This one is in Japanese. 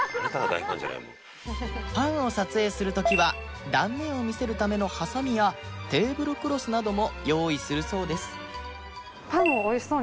パンを撮影する時は断面を見せるためのハサミやテーブルクロスなども用意するそうです